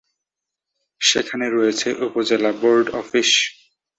সেখানে রয়েছে উপজেলা বোর্ড অফিস।